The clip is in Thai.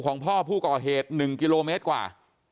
ของพ่อผู้ก่อเหตุ๑กิโลเมตรกว่า